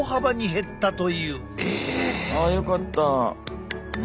あよかった。